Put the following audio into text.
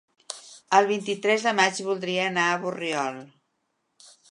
El vint-i-tres de maig voldria anar a Borriol.